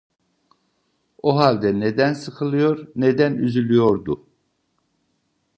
O halde neden sıkılıyor, neden üzülüyordu?